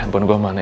buat gue amat ya